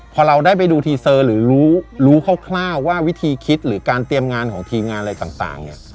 พอเราได้ไปดูทีเซอร์หรือรู้คร่าวว่าวิธีคิดหรือการเตรียมงานของทีมงานอะไรต่างเนี่ย